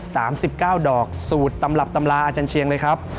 สามสิบเก้าดอกสูตรตำรับตำราอาจารย์เชียงเลยครับ